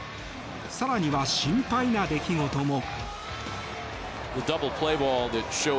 更には心配な出来事も。